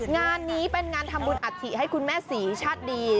งานนี้เป็นงานทำบุญอัฐิให้คุณแม่ศรีชาติดี